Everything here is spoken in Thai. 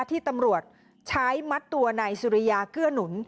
ที่ตำรวจใช้มัดตัวนายสุริยาเกื้อหนุน